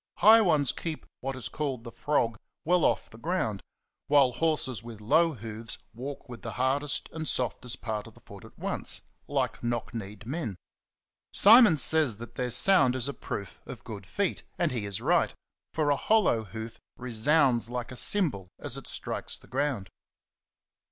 High ones keep what is called the frog 5 well off the ground, while horses with low hoofs walk with the hardest and softest part of the foot at once, like knock kneed men. Simon says that their sound is a proof of good feet, and he is right ; for a hollow hoof resounds like a cymbal as it strikes the ground.